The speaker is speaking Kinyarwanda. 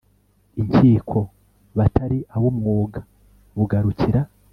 inkiko batari ab umwuga bugarukira